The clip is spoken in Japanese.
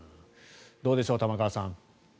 どうでしょう、玉川さん。